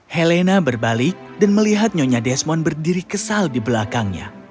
helena berbalik dan melihat nyonya desmond berdiri kesal di belakangnya